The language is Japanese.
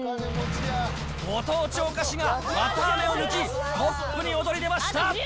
ご当地お菓子が綿あめを抜き、トップに躍り出ました。